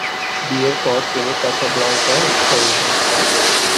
বিয়ের পর তিনি কাসাব্লাংকায় স্থায়ী হন।